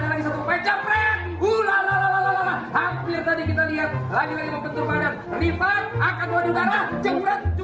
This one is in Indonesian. ada lagi satu jebret uh la la la la la la hampir tadi kita lihat lagi lagi membentur padan ribet akan waduh darah jebret jebret